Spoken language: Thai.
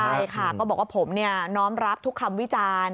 ใช่ค่ะก็บอกว่าผมน้อมรับทุกคำวิจารณ์